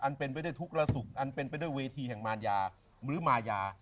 เป็นไปได้ทุกระสุขอันเป็นไปด้วยเวทีแห่งมารยาหรือมายา